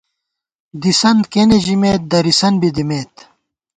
دِسنت کېنےژیمېت، درِیسن بی دیمېت